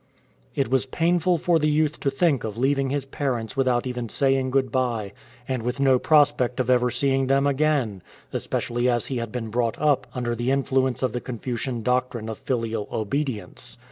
It was painful for the youth to think of leaving his parents without even saying good bye, and with no prospect of ever seeing them again, especially as he had been brought up under the influence of the Confucian doctrine of filial obedience.